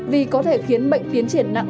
vì có thể khiến bệnh tiến triển nặng